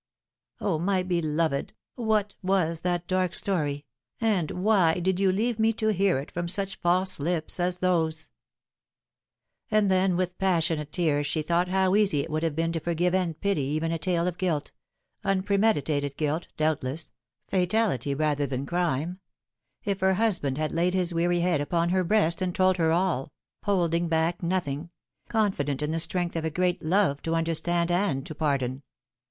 " O, my beloved ! what was that dark story, and why did you leave me to hear it from such false lips as those ?" And then with passionate tears she thought how easy it would have been to forgive and pity even a tale of guilt un premeditated guilt, doubtless, fatality rather than crime if her husband had laid his weary head upon her breast and told her all ; holding back nothing ; confident in the strength of a great love to understand and to pardon.